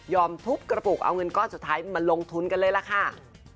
ทุบกระปุกเอาเงินก้อนสุดท้ายมาลงทุนกันเลยล่ะค่ะ